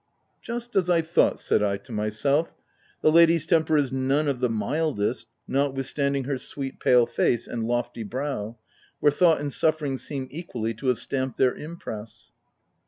" Just as I thought/' said I to myself: "the lady's temper is none of the mildest, notwith standing her sweet, pale face and lofty brow, where thought and suffering seem equally to have stamped their impress.